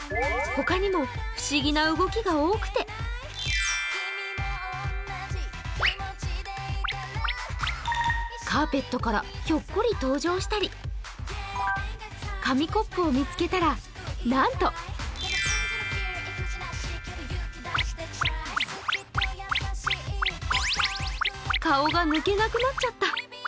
他にも、不思議な動きが多くてカーペットからひょっこり登場したり紙コップを見つけたら、なんと顔が抜けなくなっちゃった。